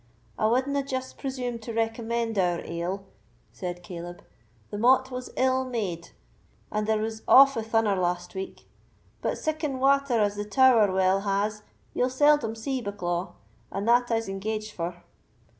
"I wanda just presume to recommend our ale," said Caleb; "the maut was ill made, and there was awfu' thunner last week; but siccan water as the Tower well has ye'll seldome see, Bucklaw, and that I'se engage for."